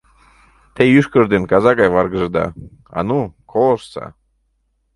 Те ӱшкыж ден каза гай варгыжыда, а ну, колыштса.